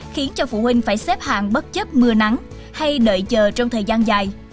khiến cho phụ huynh phải xếp hàng bất chấp mưa nắng hay đợi chờ trong thời gian dài